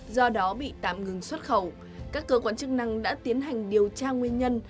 do đó bị tạm ngừng xuất khẩu các cơ quan chức năng đã tiến hành điều tra nguyên nhân